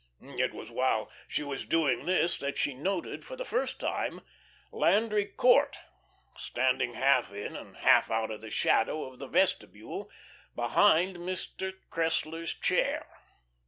It was while she was doing this that she noted, for the first time, Landry Court standing half in and half out of the shadow of the vestibule behind Mr. Cressler's chair.